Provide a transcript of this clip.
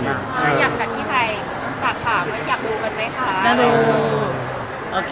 อยากจัดที่ไทยฝากถามว่าอยากดูกันไหมคะ